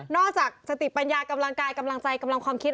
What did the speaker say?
จากสติปัญญากำลังกายกำลังใจกำลังความคิด